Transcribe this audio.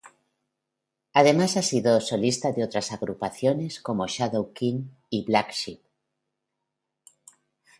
Además, ha sido solista de otras agrupaciones como Shadow King y Black Sheep.